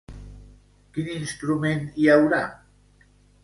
Quin instrument hi haurà?